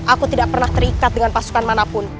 aku tidak pernah terikat dengan pasukan manapun